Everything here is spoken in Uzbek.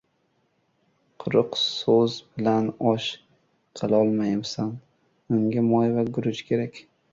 • Quruq so‘z bilan osh qilolmaysan, unga moy va guruch kerak.